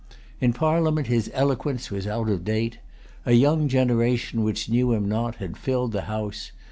In Parliament his eloquence was out of date. A young generation, which knew him not, had filled the House.